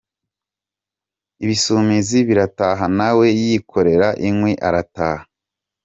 Ibisumizi birataha, na we yikorera inkwi arataha.